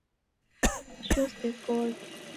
Icho sekoghe